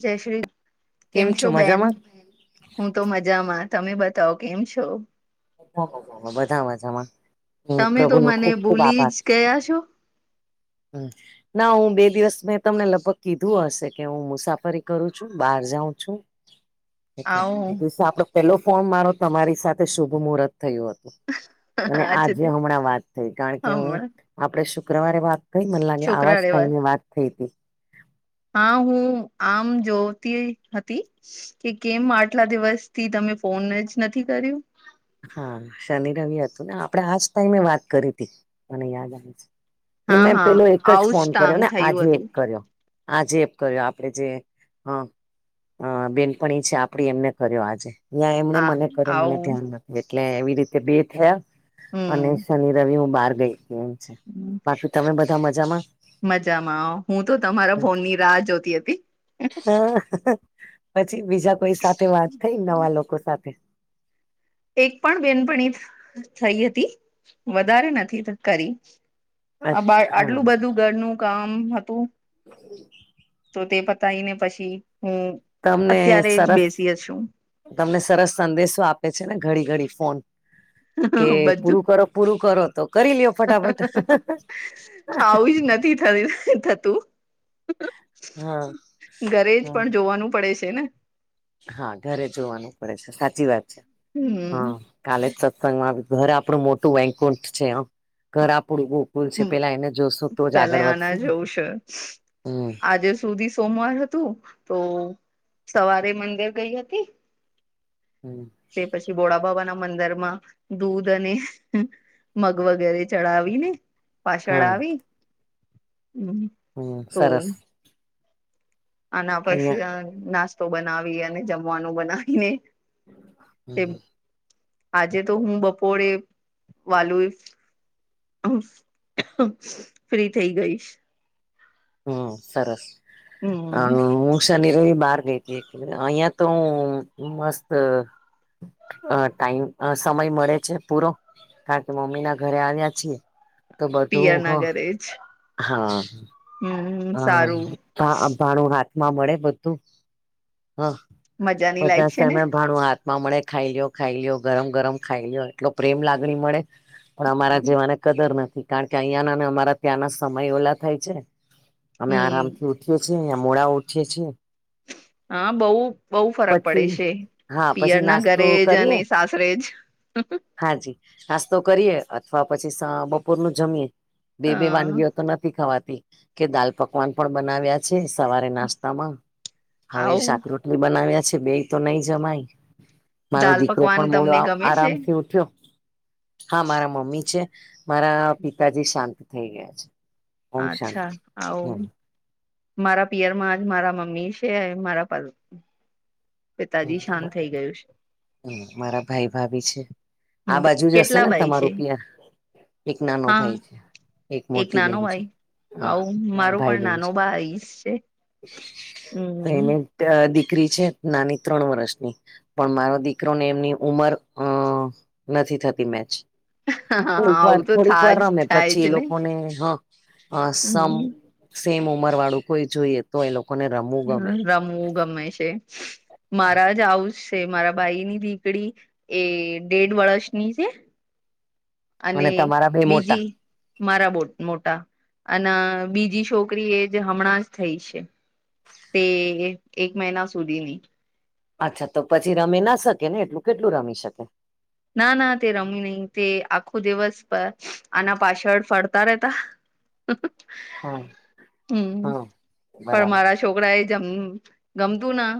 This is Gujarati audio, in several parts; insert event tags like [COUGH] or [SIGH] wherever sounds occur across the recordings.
જય શ્રી કેમ છો બેન હું તો મજામાં તમે બતાવ કેમ છો [UNINTELLIGIBLE] મજામાં બધા મજામાં તમે તો પ્રભુ નું મને ખુબ ખુબ ભૂલી આભાર જ ગયા છો હમ ના હું બે દિવસ મેં તમને લગભગ કીધું હશે કે હું મુસાફરી કરું છું બહાર જાઉં છું આવું આપડો પેલો ફોન મારો તમારી સાથે શુભ મુહૂર્ત થયું હતું અને આજે હમણાં વાત થઈ કારણ કે હું હમણાં આપડે શુક્રવારે વાત કઈ મને લાગે છોકરા આવાજ રેવા ટાઇમે વાત થઈ હતી હા હું આમ જોતી હતી કે કેમ આટલા દિવસથી તમે ફોન જ નથી કર્યું. હા શનિ રવિ હતું ને આપડે આજ ટાઈમે વાત કરી હતી મને યાદ આવે છે. એ હા મેં હા પેલો એક જ આવું ફોન કર્યો કામ ને થયું આજે એક હતું કર્યો. આજે કર્યો આપડે જે હ. અ બેનપણી છે આપડી એમને કર્યો આજે [UNINTELLIGIBLE] એમણે આ મને કરે મને આવું ધ્યાન નથીખ એટલે એવી રીતે બે થયા. અને હમ શનિ રવિ હું બહાર ગઈ તી એમ છે. બાકી તમે બધા મજામાં? મજામાં હું તો તમારા ફોન ની રાહ જોતી હતી. હ પછી બીજા કોઈ સાથે વાત થઈને નવા લોકો સાથે એક પણ બેનપણી થઈ હતી વધારે નથી કરી. આ બા હા આટલું બધું ઘરનું કામ હતું. [INAUDIBLE] તો તે પતાવી ને પછી હું તમને અત્યારે જ સરસ બેસી હ છું. તમને સરસ સંદેશો આપે છે ને ઘડી ઘડી ફોન કે બધું પૂરું કરો પૂરું કરો તો કરી લયો ફટાફટ આવું જ નથી થ થતું. હા ઘરે જ હા પણ જોવાનું પડે છે ને હા ઘરે જોવાનું પડે છે સાચી વાત છે હા. કાલે જ સત્સંગમાં ઘર આપડુ મોટું વૈકુંઠ છે આમ ઘર આપડુ બો સ્કૂલ છે હમ પેલા એને જોશું તો જ પેલે આગળ વધશે આના ને જવું છે હમ આજે સુધી સોમવાર હતું તો સવારે મંદિર ગઈ હતી. હમમ. કે ભોડાબબા ના મંદિર માં દૂધ અને મગ વગેરે ચડાવી ને પાછળ હા આવી હમમ. હમમ સરસ. આના પછી અહિયાં અ નાસ્તો બનાવી અને જમવાનું બનાવીને એમ હમ આજે તો હું બપોરે વાલું ફ્રી થઇ ગઈ. હમમ સરસ હા હમ હું. શનિ, રવિ બહાર ગઈ તી અહિયાં તો મસ્ત. અ ટાઈમ સમય મળે છે પૂરો કારણ કે મમ્મી ના ઘરે આવ્યા છીએ તો પિયર બધું ના ઘરે જ હા. હમ સારું હા ભાણું હાથમાં મળે બધું હા. મજાની બધા લાઈફ છે ને સામે ભાણું આ માં મળે ખાઈ લો, ખાઈ લોયો ગરમ ગરમ ખાઈ લોયો એટલો પ્રેમ લાગણી મળે પણ અમારા જેવાને કદર નથી કારણ કે અહીયાં નાને અમારા ત્યાંના સમય ઓલા થાય છે. અમે હમ આરામથી ઉઠીએ છીએ અંયા મોડા ઉઠીએ છીએ. હા બોવ બો ફરક પડે પછી છે. હા પછી પિયર ના નાસ્તો ઘરે જ કરીએ અને સાસરે જ હાજી નાસ્તો કરીએ અથવા પછી બપોર નું જમીએ. બે અ બે વાનગીઓ તો નથી ખાવાતી કે દાલ પકવાન પણ બનાવ્યા. છે સવારે નાસ્તામાં હવે આવું શાક રોટલી બનાવ્યા છે બેય તો નય જમાય. મારો દાલ દીકરો પકવાન પણ મોડો તમને ગમે છે આરામથી ઉઠ્યો. હા મારા મમ્મી છે મારા પિતાજી શાંત થઇ ગયા છે. ઓમ અચ્છા શાંતિ આવું હમ મારા પિયરમાં જ મારા મમ્મી છે મારા પર થઈ ગયું છે હમમ મારા ભાઈ, ભાભી છે. આ હમ બાજુ જ હશે કેટલા ને ભાઈ છે તમારું પિયર એક નાનો હા ભાઈ છે. એક મોટી નાનો બેન છે. ભાઈ હા આવું ત્રણ મારો ભાઈ પણ બેન નાનો છે ભાઈશ છે હમ ભાઈ દીકરી છે નાની. ત્રણ વર્ષની પણ મારો દીકરો ને એમની ઉમર અ નથી થતી મેચ. હા કોઈક વાર આવું તો થોડીક વાર થાજ રમે થાય પછી એ જ ને લોકોને હા હા સમ હમ સેમ ઉમર વાળું કોઈ જોઈએ. તો એ લોકોને રમવું ગમે હા રમવું ગમે છે. મારા જ આવું જ છે મારા ભાઈ ની દીકડી એ દેઢ વર્ષની છે. અને તમારા બે મોટા બીજી મારા બ મોટા અને બીજી છોકરી એ જ હમણાં જ થઈ છે. તે એક એક મહિના સુધીની અચ્છા તો પછી રમી ના શકે ને એટલું કેટલું રમી શકે. ના ના તે રમી નહી તે આખો દિવસ પર આના પાછળ ફરતા રેતા હા હમમ હા પણ બરાબર મારા છોકરા એ જમ ગમતું ના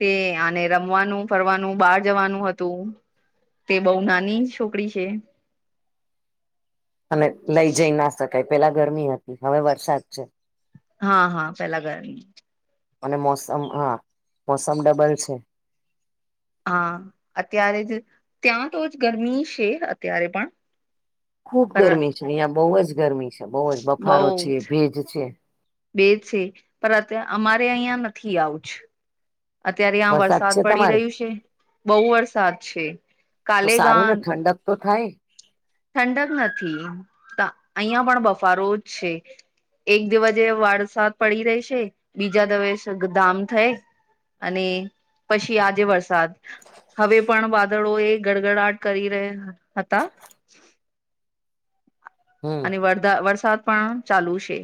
તે આને રમવાનું, ફરવાનું, બહાર જવાનું હતું. તે બો નાની છોકરી છે. અને લઈ જઈ ના શકાય પેલા ગરમી હતી હવે વરસાદ છે. હા હા પેલા ગરમી અને મોસમ હા મોસમ ડબલ છે. હા અત્યારે જ ત્યાં તો જ ગરમી છે અત્યારે પણ ખુબ પર ગરમી છે અહિયાં બોવ જ ગરમી છે બોવ જ બઉ બફારો છે, ભેજ છે. બે છે પણ અત્યા અમારે અહિયા નથી આવુંજ અત્યારે આ વરસાદ છે પડી તમારે રહ્યું છે બહુ વરસાદ છે તો કાલેગ સારું ને ઠંડક તો થાય ઠંડક નથી, અહિયાં પણ બફારો જ છે. એક દિવજે વરસાદ પડી રહેશે બીજા દવેસે [UNINTELLIGIBLE] થએ અને પછી આજે વરસાદ હવે પણ વાદળો એ ગડગડાટ કરી રહ્યા હતા હમ અને વરધા વરસાદ પણ ચાલુ છે.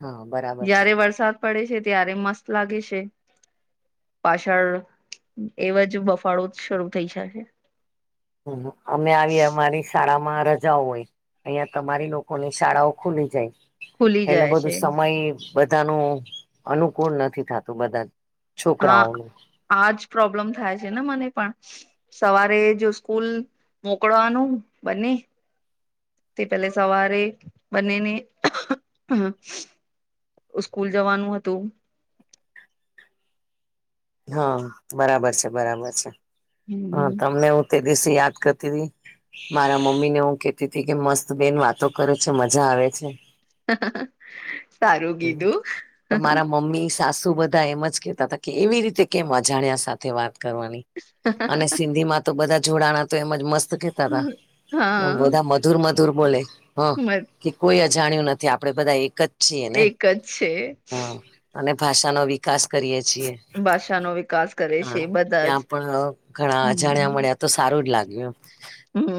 હા બરા જ્યારે વરસાદ પડે છે ત્યારે મસ્ત લાગે છે. પાછળ એવાજ બફાળો શરૂ થઈ જાશે હ અમે આવીએ અમારી શાળા માં રજાઓ હોય અહિયાં તમારી લોકોની શાળાઓ ખુલી જાય ખુલી એટલે જાય બધું છે સમય બધાનું અનુકૂળ નથી થતું બધા હા છોકરાઓ આજ પ્રોબ્લેમ થાય છે ને મને પણ સવારે જો સ્કૂલ મોકલવાનું બને તે પહેલા સવારે બને ને ઉસ્કૂલ જવાનું હતું. હ બરાબર છે, બરાબર છે. હા હમ તમને હું તે દિવસે યાદ કરતી રિ મારા મમ્મી ને હું કેતી તી કે મસ્ત બેન વાતો કરે છે મજા આવે છે. સારું કીધું તો મારા મમ્મી સાસુ બધા એમ જ કેતા તા કે એવી રીતે કેમ અજાણ્યા સાથે વાત કરવાની. અને સિંધી માં તો બધા જોડાણા તો એમજ મસ્ત કેતા હતા એમ હા વધા ધૂર મધૂર બોલે હ મત- કે કોઈ અજાણ્યું નથી આપડે બધા એક જ છીએ ને એક જ છે હ અને ભાષા નો વિકાસ કરીએ છીએ. ભાષાનો વિકાસ કરે હા છે બધા જ ત્યાં પણ ઘણા હમ અજાણ્યા મળ્યા તો સારું જ એમ લાગ્યું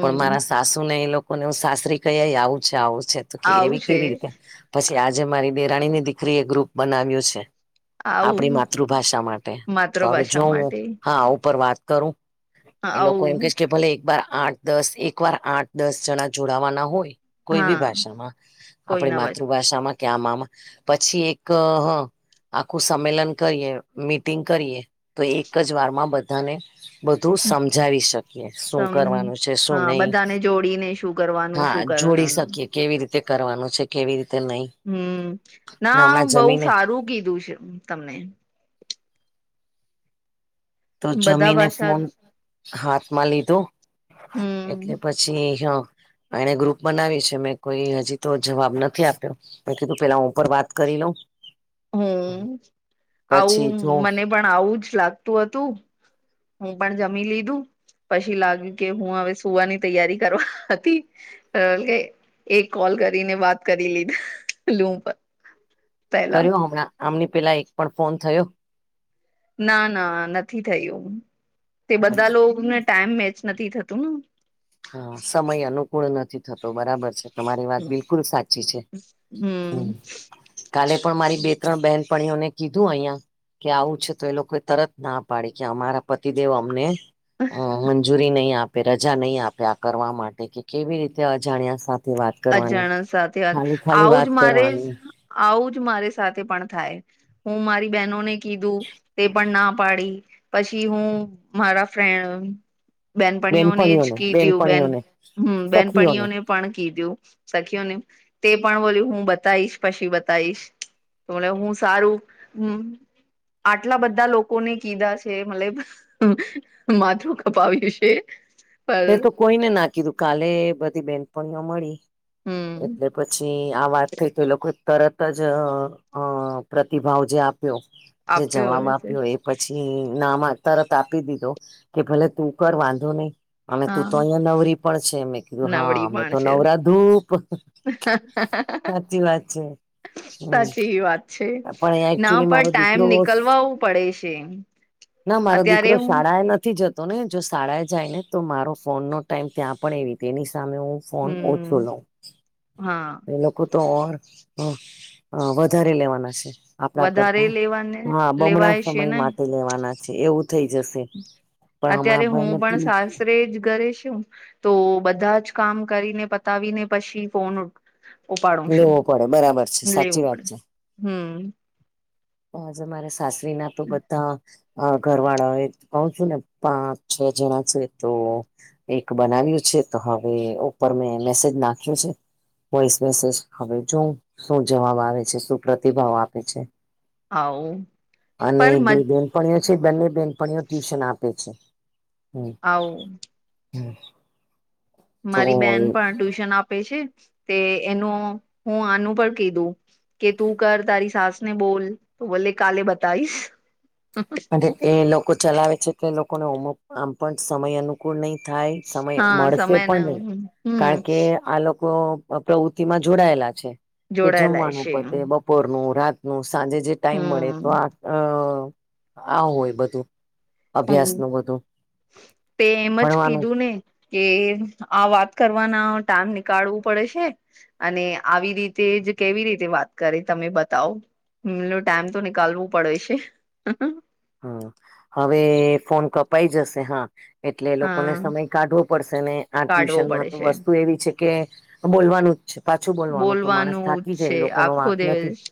પણ મારા સાસુ ને એ લોક કોને હું સાસરી કહી આવું છે આવું છે તો આવું એવી છે કેવી રીતે પછી આજે મારી દેરાણી ની દીકરી એ ગ્રુપ બનાવ્યું છે. આવું આપડી માતૃભાષા માટે તો હવે માતૃભાષા જોહું માટે ઉપર વાત કરું એ હા, લોકો એમ કે છે આવું કે ભલે એક બાર આઠ દસ એક વાર આઠ દસ જણા જોડાવાના હોય કોઈ બી હા ભાષામાં કોઈ આપડી ના બસ માતૃભાષામાં કે આમાં માં પછી એક આખું સંમેલન કરીએ મીટિંગ કરીએ તો એક જ વારમાં બધાને બધું સમજાવી શકીએ શું સમ કરવાનું છે શું હા નઈ બધાને જોડીને શું કરવાનું હા શું જોડી કરવાનું શકીએ કેવી રીતે કરવાનું છે કેવી રીતે નઈ હમ્મ ના બહ સારું કીધું છે તમને તો બધા જમીને ભાષા ફોન હાથમાં લીધો હમ એટલે પછી હ એણે ગ્રુપ બનાવી છે મેં કોઈ હજી તો જવાબ નથી આપ્યો મે કીધું કે પેલા ઉપર વાત કરી લઉ હમ્મ આવું જો મને પણ આવું જ લાગતું હતું હું પણ જમી લીધું. પછી લાગ્યું કે હું હવે સુવાની તૈયારી કરવા હતી કે એક કોલ કરીને વાત કરી લીધા લૂમ પર કર્યો હમણાં આમને પેલા એક પણ ફોન થયો ના ના નથી થયું તે બધા લોકોને ટાઈમ મેચ નથી થતું હા સમય અનુકૂળ નથી થતો બરાબર છે. તમારી વાત બિલકુલ સાચી છે હમ કાલે પણ મારી બે બહેનપણીઓને કીધું અહિયાં. કે આવું છે તો એ લોકો તરત ના પાડીે કે અમારા પતિદેવ અમને અ મંજૂરી નહી આપે રજા નહી આપે આ કરવા માટે કે કેવી રીતે અજાણ્યા સાથે વાત કરવાની અજાણ સાથે વા ખાલી ખાલી આવુંજ વાત મારે કરવાની આવું જ મારી સાથે પણ થાય હું મારી બહેનોને કીધું તે પણ ના પાડી પછી હું મારા ફ્રેન્ડ બેનપણીઓને જ કીધું બેન હમ્મ સખીઓને બેનપણીઓને પણ કીધું. સખ્યો ને તે પણ બોલ્યું હું બતાવીશ પછી બતાવીશ. તો મ હું સારું આટલા બધા લોકોને કીધા છે મતબ માથું કપાવ્યું છે. પર મે તો કોઈને ના કીધું કાલે બધી બેનપણીઓ મળી હમ એટલે પછી પછી આ વાત થઈ તો એ લોકો તરત જ અ પ્રતિભાવ જે આપ્યો. જે આપ્યો જવાબ હોય છે આપ્યો એ પછી નામાં તરત આપી દીધો કે ભલે તું કર વાંધો નહી અમે તું હા તો અહિયાં નવરી પણ છે મેં કીધું હા અમે તો નવરા ધૂપ [INAUDIBLE] સાચી વાત છે હમ સાચ એ વાત છે પણ ના એકચુલી પણ મારો ટાઈમ દીકરો નીકલવાવું પડે છે. ના મારો અત્યારે દીકરો હું શાળા એ નથી જતો. તો ને જો શાળાએ જ ને તો મારો ફોન નો ટાઈમ ત્યાં પણ એ તે એની સામે હું ફન ઓછ હમ લ હા એ લોકોતો અર. હ હ વધારે લેવાના છે. આપણા વધારે કરતા લેવાને હા બમણા લેવાય છે સમય ને માટે લેવાના છે એવું થઈ જશે. પણ અત્યારે હમણાં હું ભાઈને પણ સાસરે જ ઘરે છું. તો બધા જ કામ કરીને પતાવીને પછી ફોન ઉઠ ઉપાડું શું લેવો પડે બરાબર છે સાચી લેવું વાત પડે હ જ મારા સાસરી ના તો બધા ઘરવાળા હોય ક છું ને પાપ છે જેના છે તો એક બનાવ્યું છે તો હવે ઉપર મેં મેસેજ નાખ્યો છે વોઇસ મેસેજ હવે જોવ શું જવાબ આવે છે શું પ્રતિભાવ આપે છ હ ઉ અને બેય બેનપણીઓ છે બંને બેનપણીઓ ટ્યુશન આપે છે હમ્મ હા ઉ હમ્મ મારી બેન પણ ટ્યુશન આપે છે તે એનું હું આનું પણ કીધું કે તું કર તારી સાસને બોલ તો બોલે કાલે બતાઈશ એ લોકો ચલાવે છે કે એ લોકોને અમુક આમ પણ સમય અમુક કુ નહી થાય સમય હા મળશે સમય પણ ના નહી હમ કારણ કે આ લોકો પ્રવૃત્તિ માં જોડાયેલા છે કે જોડાયેલા જમવાનું છે પતે બપ પોરનું રાતનું સાંજે જે ટાઈમ મળે હમ તો આ અ આ હોય બધું અભ્યાસ હમ્મ નું બધું તે એમ જ ભણવાનું કીધું ને કે આ વાત કરવાના ટાઈમ નીકાળવું પડે છે અને આવી રીતે જ કેવી રીતે વાત કરે તમે બતાવો હમ્મ તો ટાઈમ તો નીકાલવું પડે છે હમ હવે ફોન કપાઈ જશે હા એટલે લોકોને હા સમય કાઢવો પડશે ને આ કાઢવો ટ્યુશનમાં પડે તો છે વસ્તુ એવી છે કે બોલવાનું જ છે પાછું બોલવાનું તો માણસ થાકી જ જાય છે એ લોકો ન આખો વાક નથી દિવસ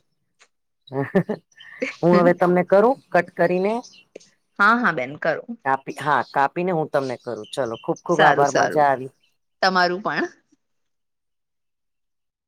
હું હવે તમને કરું કટ કરીને હા હા બેન કરો કાપી હા કાપીને હું તમને કરું ચલો. ખુબ ખુબ સારું આભાર સારું, મજા આવી તમારું પણ.